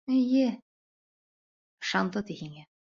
Эйе, ышанды ти һиңә!